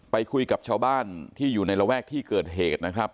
ไปคุยกับชาวบ้านที่อยู่ในระแวกที่เกิดเหตุนะครับ